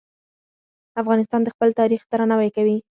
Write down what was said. افغانستان د خپل تاریخ درناوی کوي.